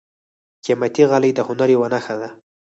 قیمتي غالۍ د هنر یوه نښه ده.